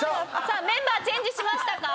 メンバーチェンジしましたか？